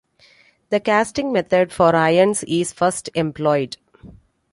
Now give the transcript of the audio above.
The casting method for irons is first employed.